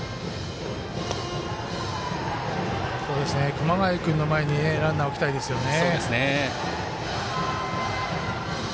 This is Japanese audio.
熊谷君の前にランナーを置きたいですよね。